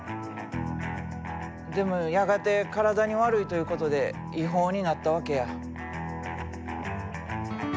でもやがて体に悪いということで違法になったわけや。